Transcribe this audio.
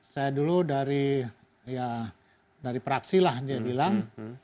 saya dulu dari ya dari praksi lah dia bilang